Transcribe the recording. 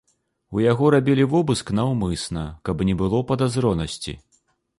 У яго рабілі вобыск наўмысна, каб не было падазронасці.